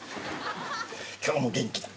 今日も元気だ。